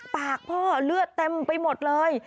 ปากพ่อเลือดเต็มไปหมดเลย